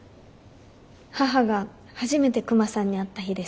母が初めてクマさんに会った日です。